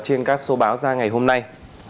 trên các số báo ra ngày hôm nay